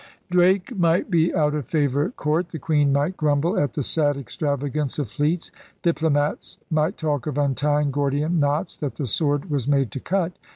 Drake might be out of favor at court. The Queen might grumble at the sad extravagance of fleets. Diplomats might talk of untying Gordian knots that the sword was made to cut.